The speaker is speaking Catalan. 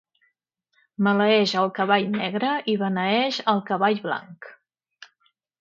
Maleeix el cavall negre i beneeix el cavall blanc.